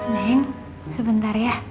neneng sebentar ya